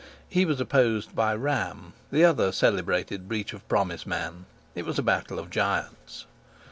He was opposed by Ram, the other celebrated breach of promise man. It was a battle of giants.